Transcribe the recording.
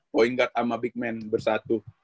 poing guard sama big man bersatu